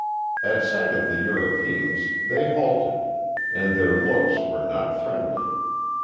At sight of the Europeans they halted, and their looks were not friendly.